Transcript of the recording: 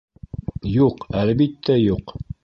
Юҡ, әлбиттә юҡ.